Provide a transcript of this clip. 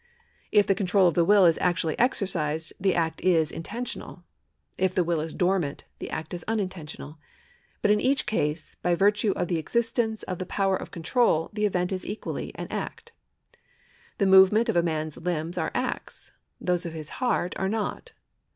If the control of the will is actually exercised, the act § 128] LIABILITY 825 is intentional ; if the will is dormant, the act is unintentional ; but in each case, by virtue of the existence of tlie power of control, the event is equally an act. The movements of a man's limbs are acts ; those of his heart are not.